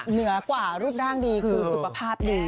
เหนือกว่ารูปร่างดีคือสุขภาพดี